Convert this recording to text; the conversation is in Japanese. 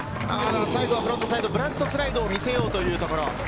フロントサイドブラントスライドを見せて行こうというところ。